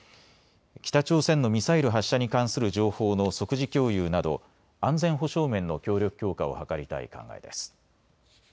北朝鮮のミサイル発射に関する情報の即時共有など安全保障面の協力強化を図りたい考えです。